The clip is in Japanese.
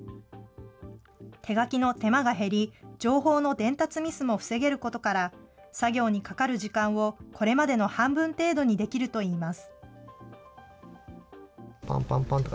手書きの手間が減り、情報の伝達ミスも防げることから、作業にかかる時間を、これまでの半分程度にできるといいます。